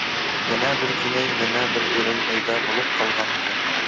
يەنە بىر كۈنى، يەنە بىر ئېلان پەيدا بولۇپ قالغانىدى.